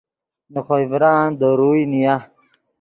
نے خوئے ڤران دے روئے نیا